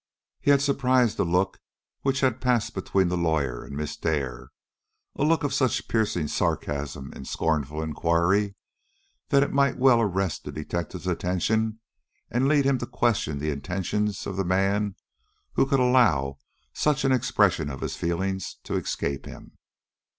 He had surprised a look which had passed between the lawyer and Miss Dare a look of such piercing sarcasm and scornful inquiry that it might well arrest the detective's attention and lead him to question the intentions of the man who could allow such an expression of his feelings to escape him.